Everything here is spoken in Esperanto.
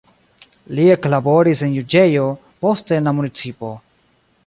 Li eklaboris en juĝejo, poste en la municipo.